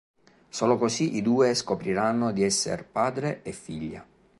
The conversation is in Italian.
Solo così i due scopriranno di esser padre e figlia.